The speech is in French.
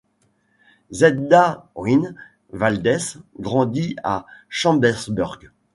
Zelda Wynn Valdes grandit à Chambersburg.